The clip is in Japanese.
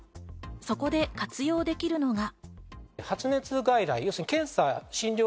そこで活用できるのが。